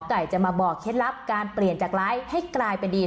ไก่จะมาบอกเคล็ดลับการเปลี่ยนจากร้ายให้กลายเป็นดี